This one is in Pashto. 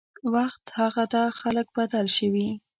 وخت هغه ده خلک بدل شوي